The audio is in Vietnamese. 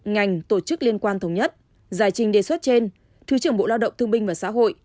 ngành tổ chức liên quan thống nhất giải trình đề xuất trên thứ trưởng bộ lao động thương binh và xã hội